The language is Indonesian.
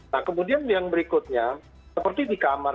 nah kemudian yang berikutnya seperti di kamar